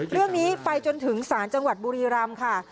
เรื่องนี้ไปจนถึงศาลจังหวัดบุรีรำค่ะ